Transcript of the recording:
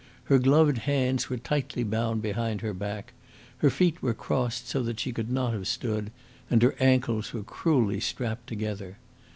Her gloved hands were tightly bound behind her back, her feet were crossed so that she could not have stood, and her ankles were cruelly strapped together.